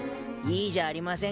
いいじゃありませんか。